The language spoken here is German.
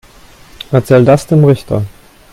Erzähl das dem Richter.